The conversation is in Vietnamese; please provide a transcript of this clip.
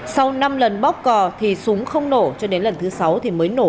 sau năm lần bóc cò thì súng không nổ cho đến lần thứ sáu thì mới nổ